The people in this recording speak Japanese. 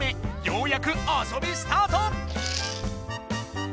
ようやく遊びスタート！